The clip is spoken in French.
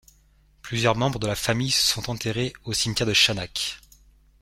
Plusieurs membres de la famille sont enterrées au cimetière de Chanac.